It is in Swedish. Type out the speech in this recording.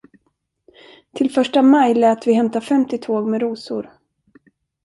Till första maj lät vi hämta femtio tåg med rosor.